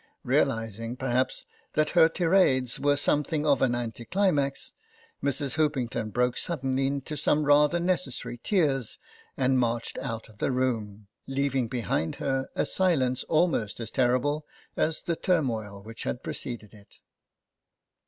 Realising, perhaps, that her tirades were some thing of an anticlimax, Mrs. Hoopington broke suddenly into some rather necessary tears and marched out of the room, leaving behind her a silence almost as terrible as the turmoil which had preceded it.